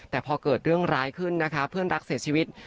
แต่พอเกิดเรื่องร้ายขึ้นนะคะเพื่อนรักเสียชีวิต